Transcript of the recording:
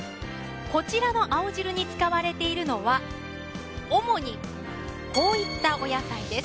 こちらの青汁に使われているのは主にこういったお野菜です。